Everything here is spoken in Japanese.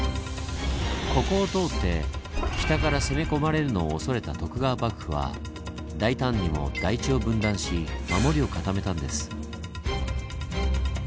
ここを通って北から攻め込まれるのを恐れた徳川幕府は大胆にも台地を分断し守りを固めたんです。